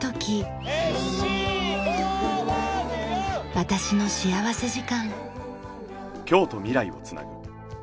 『私の幸福時間』。